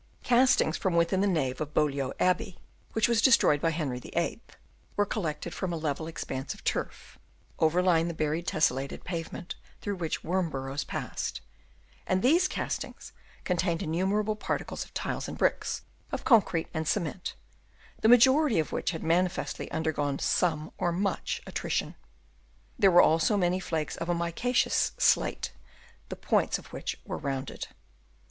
Castings from within the nave of Beaulieu Abbey, which was destroyed by Henry YIIL, were collected from a level expanse of turf, 258 DISINTEGRATION Chap. V. overlying the buried tesselated pavement, through which worm burrows passed ; and these castings contained innumerable particles of tiles and bricks, of concrete and cement, the majority of which had manifestly under gone some or much attrition. There were also many minute flakes of a micaceous slate, the points of which were rounded.